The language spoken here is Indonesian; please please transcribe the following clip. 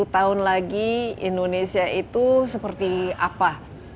sepuluh tahun lagi indonesia itu seperti apa